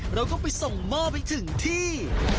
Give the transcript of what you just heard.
เราก็ไปส่งหม้อไปถึงที่